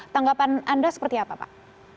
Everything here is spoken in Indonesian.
tanggapan anda seperti apa pak